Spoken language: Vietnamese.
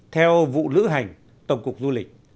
theo vụ lữ hành tổng cục du lịch